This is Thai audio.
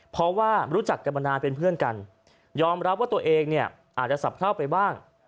เพราะว่ารู้จักกันมานานเป็นเพื่อนกันยอมรับว่าตัวเองเนี่ยอาจจะสับเพราไปบ้าง